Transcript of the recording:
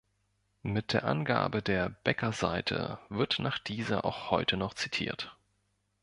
Mit der Angabe der "Bekker-Seite" wird nach dieser auch heute noch zitiert.